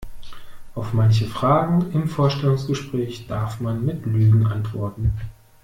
Auf manche Fragen im Vorstellungsgespräch darf man mit Lügen antworten.